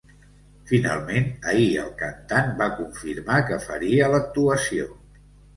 Finalment, ahir el cantant va confirmar que faria l’actuació.